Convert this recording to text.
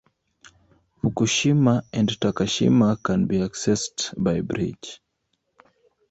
Fukushima and Takashima can be accessed by bridge.